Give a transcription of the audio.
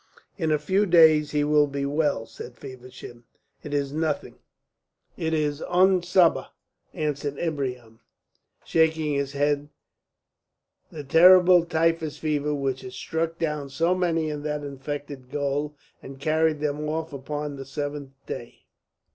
"In a few days he will be well," said Feversham. "It is nothing." "It is Umm Sabbah," answered Ibrahim, shaking his head, the terrible typhus fever which had struck down so many in that infected gaol and carried them off upon the seventh day.